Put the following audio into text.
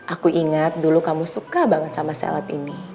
aku ingat dulu kamu suka banget sama salad ini